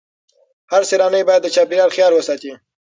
هر سیلانی باید د چاپیریال خیال وساتي.